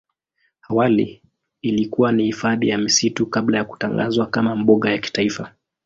Awali ilikuwa ni hifadhi ya misitu kabla ya kutangazwa kama mbuga ya kitaifa.